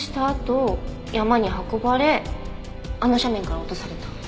あと山に運ばれあの斜面から落とされた？